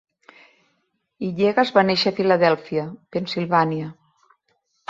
Hillegas va néixer a Filadèlfia, Pennsilvània.